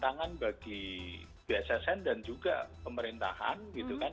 tantangan bagi bssn dan juga pemerintahan gitu kan